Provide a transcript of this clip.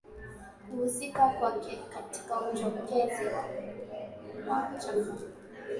kuhusika kwake katika uchokezi wa machafuko